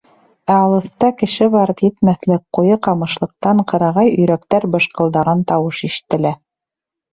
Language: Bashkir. Ә алыҫта кеше барып етмәҫлек ҡуйы ҡамышлыҡтан ҡырағай өйрәктәр быжҡылдаған тауыш ишетелә.